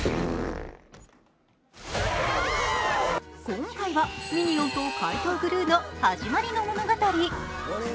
今回は「ミニオンと怪盗グルーの始まりの物語」。